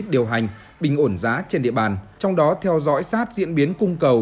điều hành bình ổn giá trên địa bàn trong đó theo dõi sát diễn biến cung cầu